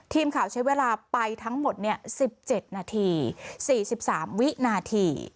ทีมข่าวใช้เวลาไปทั้งหมด๑๗นาที๔๓วินาที